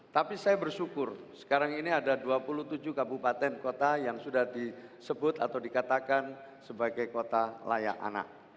tapi saya bersyukur sekarang ini ada dua puluh tujuh kabupaten kota yang sudah disebut atau dikatakan sebagai kota layak anak